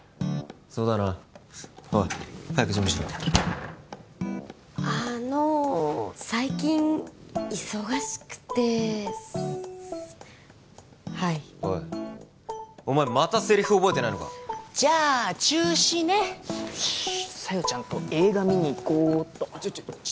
そうだなおい早く準備しろあの最近忙しくてはいおいお前またセリフ覚えてないのかじゃあ中止ね小夜ちゃんと映画見に行こうっとちょちょちょ